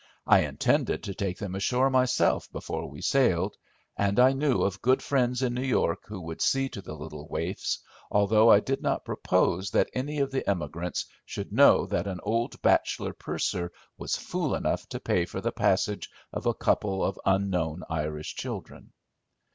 I intended to take them ashore myself before we sailed; and I knew of good friends in New York who would see to the little waifs, although I did not propose that any of the emigrants should know that an old bachelor purser was fool enough to pay for the passage of a couple of unknown Irish children.